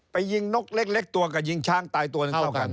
ไปยิงนกเล็กตัวกับยิงช้างตายตัวหนึ่งเท่ากัน